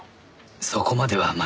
そこまではまだ。